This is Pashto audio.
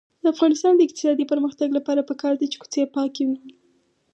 د افغانستان د اقتصادي پرمختګ لپاره پکار ده چې کوڅې پاکې وي.